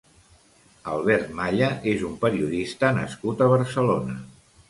Albert Malla és un periodista nascut a Barcelona.